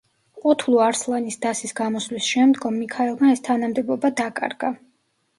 ყუთლუ-არსლანის დასის გამოსვლის შემდგომ მიქაელმა ეს თანამდებობა დაკარგა.